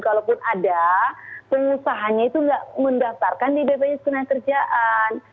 kalaupun ada pengusahanya itu tidak mendaftarkan di bpjs tenaga kerjaan